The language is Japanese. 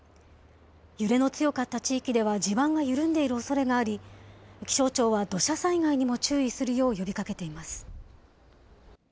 揺れの強かった地域では地盤が緩んでいるおそれがあり、気象庁は土砂災害にも注意するよう呼びかけています。